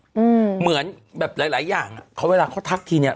เหมือนแบบหลายหลายอย่างอ่ะเขาเวลาเขาทักทีเนี้ย